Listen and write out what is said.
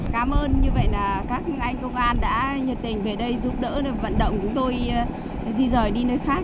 cảm ơn như vậy là các anh công an đã nhiệt tình về đây giúp đỡ vận động chúng tôi di rời đi nơi khác